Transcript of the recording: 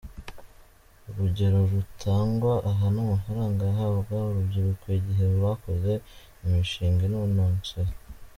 Urugero rutangwa aha n’amafaranga yahabwa urubyiruko igihe rwakoze imishinga inononsoye.